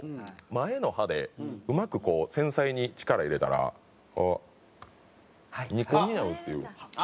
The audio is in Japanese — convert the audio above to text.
前の歯でうまく繊細に力入れたら２個になるっていう。